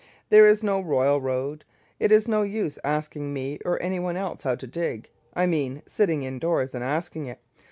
There is no royal road. It is no use asking me or any one else how to dig I mean sitting indoors and asking it.